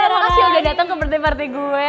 terima kasih udah datang ke birthday party gue